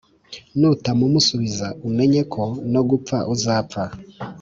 nutamumusubiza umenye ko no gupfa uzapfa